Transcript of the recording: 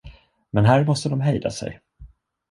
Men här måste de hejda sig.